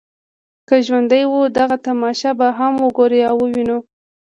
که ژوندي وو دغه تماشه به هم وګورو او وینو.